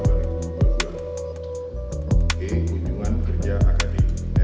e kunjungan kerja akademi